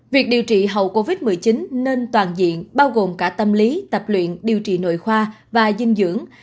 việc điều trị hậu covid một mươi chín nên toàn diện bao gồm cả tâm lý tập luyện điều trị nội khoa và dinh dưỡng